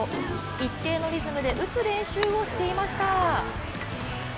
一定のリズムで打つ練習をしていました。